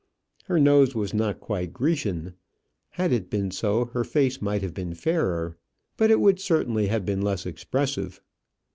Her nose was not quite Grecian; had it been so, her face might have been fairer, but it would certainly have been less expressive.